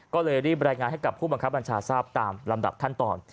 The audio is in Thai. ก็เลยรีบรายงานให้กับผู้บังคับบัญชาทราบตามลำดับขั้นตอน